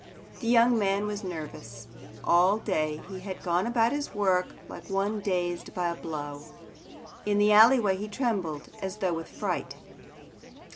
The young man was nervous. All day he had gone about his work like one dazed by a blow. In the alleyway he trembled as though with fright.